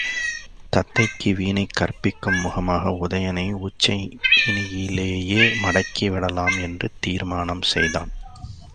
தத்தைக்கு வீணை கற்பிக்குமுகமாக உதயணனை உச்சயினியிலேயே மடக்கிவிடலாம் என்று தீர்மானம் செய்தான்.